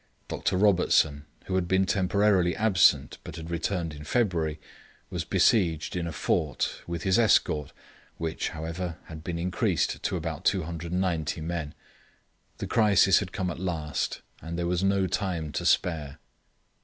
Dr. Robertson, who had been temporarily absent, but had returned in February, was besieged in a fort, with his escort, which, however, had been increased to about 290 men. The crisis had come at last, and there was no time to spare.